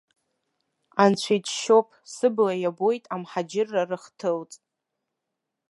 Анцәа иџьшьоуп, сыбла иабоит амҳаџьыраа рыхҭылҵ.